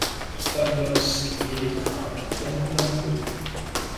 Pavlos et Elektra tombent amoureux.